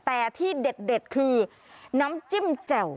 แต่ที่เด็ดคือน้ำจิ้มแจ่ว